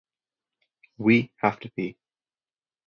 We have to pee.